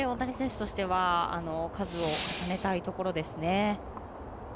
この形、大谷選手としては数を重ねたいところですね。